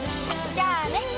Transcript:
じゃあね。